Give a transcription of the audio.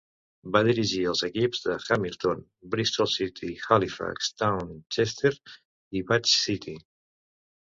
Va dirigir els equips de Hamilton, Bristol City, Halifax Town, Chester i Bath City.